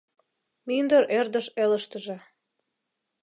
«Мӱндыр ӧрдыж элыштыже